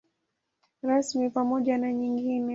Rasmi pamoja na nyingine.